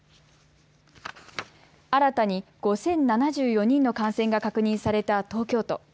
新たに５０７４人の感染が確認された東京都。